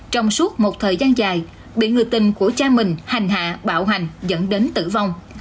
trong suốt một thời gian dài bị người tình của cha mình hành hạ bạo hành dẫn đến tử vong